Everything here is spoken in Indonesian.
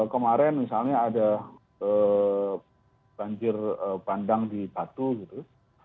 kemarin misalnya ada banjir bandang di batu gitu